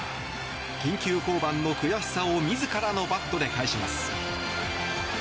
緊急降板の悔しさを自らのバットで返します。